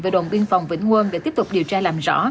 về đồn biên phòng vĩnh quân để tiếp tục điều tra làm rõ